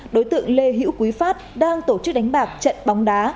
đối tượng lê hữu quý phát đang tổ chức đánh bạc trận bóng đá